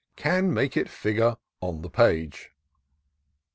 Can make it figure on the page."